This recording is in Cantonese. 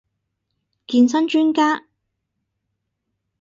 健身專家